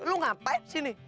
lo ngapain di sini